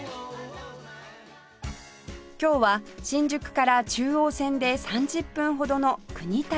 今日は新宿から中央線で３０分ほどの国立へ